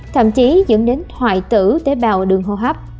thậm chí dẫn đến hoại tử tế bào đường hô hấp